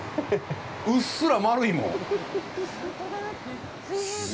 うっすら丸いもん。